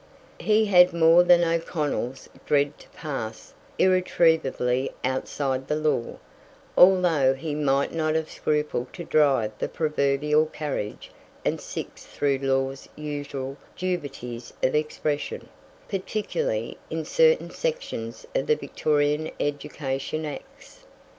He had more than O'Connell's dread to pass irretrievably outside the law, although he might not have scrupled to drive the proverbial carriage and six through law's usual dubieties of expression, particularly in certain sections of the Victorian Education Acts.